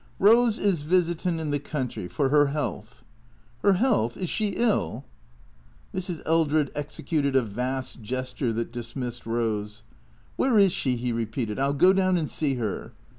" Eose is visitin' in the country, for her 'ealth." " Her health ? Is she ill ?" Mrs. Eldred executed a vast gesture that dismissed Eose. " Where is she ?" he repeated. " I '11 go down and see her."